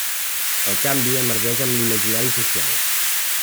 El canvi emergeix amb l'imaginari social.